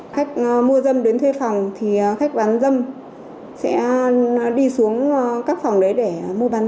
khách mua dâm đến thuê phòng thì khách bán dâm sẽ đi xuống các phòng đấy để thực hiện mua bán dâm